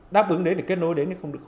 đáp ứng đến để kết nối đến thì không có